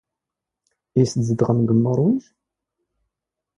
ⵉⵙ ⵜⵣⴷⵖⵎ ⴳ ⵏⵏⵓⵕⵡⵉⵊ?